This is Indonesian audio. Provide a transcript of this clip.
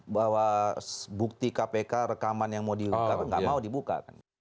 bahwa bukti kpk rekaman yang mau dibuka nggak mau dibuka